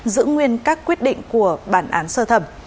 giữ nguyên các quyết định của bản án sơ thẩm